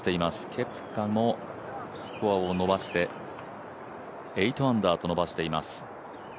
ケプカもスコアを８アンダーと伸ばしています。